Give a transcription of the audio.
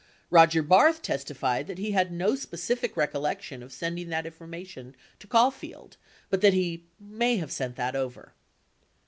43 Roger Barth testified that he had no specific recollection of sending that information to Caulfield, but that he "may have sent that over."